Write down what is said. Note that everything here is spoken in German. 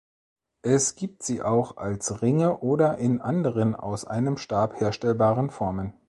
Es gibt sie auch als Ringe oder in anderen aus einem Stab herstellbaren Formen.